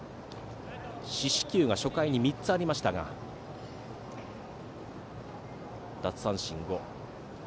四死球が初回に３つありましたが奪三振５。